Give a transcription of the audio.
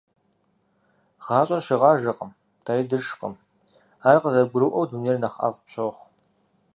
Гъащӏэр шыгъажэкъым, дэри дышкъым. Ар къызэрыбгурыӏуэу, дунейр нэхъ ӏэфӏ пщохъу.